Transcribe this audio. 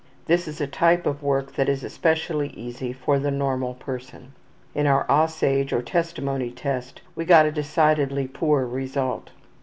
This is a type of work that is especially easy for the normal person. In our ``Aussage'' or Testimony Test we got a decidedly poor result.